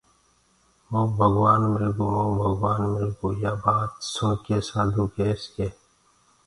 مئونٚ ڀگوآن مِلگو مئونٚ ڀگوآن مِلگو يآ ٻآت سُڻڪي سآڌوٚ ڪيس ڪي